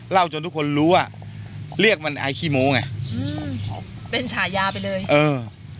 จนทุกคนรู้ว่าเรียกมันไอขี้โม้ไงอืมเป็นฉายาไปเลยเออ